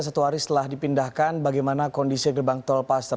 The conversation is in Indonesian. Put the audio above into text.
satu hari setelah dipindahkan bagaimana kondisi gerbang tol paster